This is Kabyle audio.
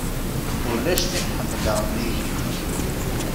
Ulac tin ḥemleɣ nnig-m.